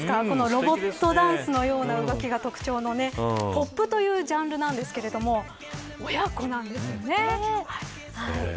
このロボットダンスのような動きが特徴のＰＯＰというジャンルですが親子なんですよね。